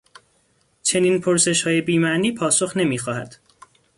چنین پرسشهای بیمعنی پاسخ نمیخواهد.